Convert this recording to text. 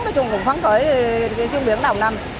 nói chung cũng khoảng tuổi chuyên biển đầu năm